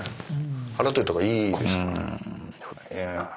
払っといた方がいいですかね。